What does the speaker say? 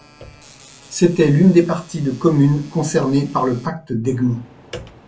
C'était l'une des parties de communes concernées par le pacte d'Egmont.